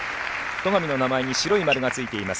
戸上の名前に白い丸がついています。